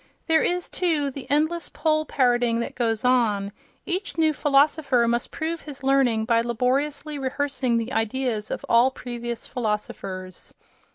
There is, too, the endless poll parrotting that goes on: each new philosopher must prove his learning by laboriously rehearsing the ideas of all previous philosophers....